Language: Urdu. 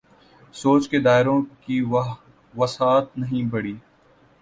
سوچ کے دائروں کی وسعت نہیں بڑھی۔